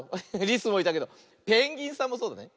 リスもいたけどペンギンさんもそうだね。